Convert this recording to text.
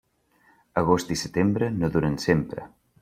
Agost i setembre no duren sempre.